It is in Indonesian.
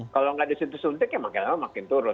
kalau nggak disitu suntik ya makin lama makin turun